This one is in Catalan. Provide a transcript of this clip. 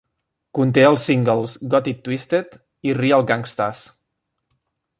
Conté els singles "Got It Twisted" i "Real Gangstaz".